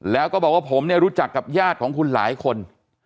แล้วก็บอกว่าผมเนี่ยรู้จักกับญาติของคุณหลายคน